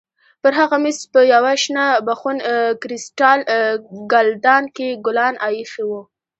پر هغه مېز په یوه شنه بخون کریسټال ګلدان کې ګلان ایښي وو.